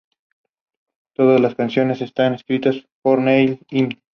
La mayor parte del arte tibetano-budista está relacionado con la práctica de Vajrayāna.